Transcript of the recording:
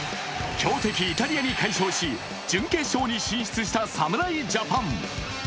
強敵・イタリアに快勝し準決勝に進出した侍ジャパン。